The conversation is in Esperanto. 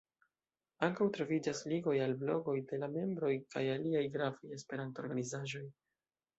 Ankaŭ troviĝas ligoj al blogoj de la membroj kaj aliaj gravaj esperanto-organizaĵoj.